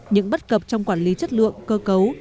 những bất cập trong quản lý chất lượng cơ cấu